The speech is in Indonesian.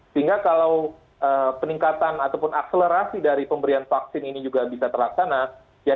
sehingga kalau peningkatan ataupun akselerasi dari pemberian vaksin ini juga bisa terlaksana